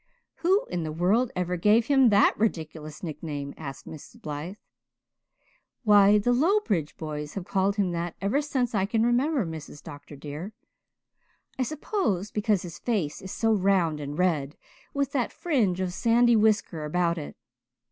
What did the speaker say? "Who in the world ever gave him that ridiculous nickname?" asked Mrs. Blythe. "Why, the Lowbridge boys have called him that ever since I can remember, Mrs. Dr. dear I suppose because his face is so round and red, with that fringe of sandy whisker about it.